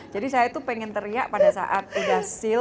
jadi saya tuh pengen teriak pada saat kita seal